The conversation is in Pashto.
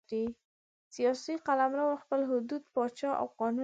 سیاسي قلمرو خپل حدود، پاچا او قانون لري.